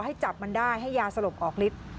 ให้จับมันได้ให้ยาสลบออกฤทธิ์